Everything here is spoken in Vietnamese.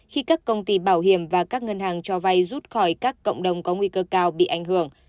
khi các công ty bảo hiểm và các ngân hàng cho vay rút khỏi các cộng đồng có nguy cơ cao bị ảnh hưởng